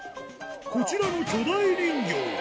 こちらの巨大人形。